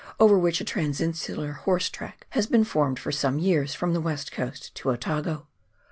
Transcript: over which a transinsular horse track has been formed for some years from the "West Coast to Otago.